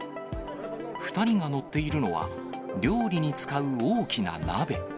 ２人が乗っているのは、料理に使う大きな鍋。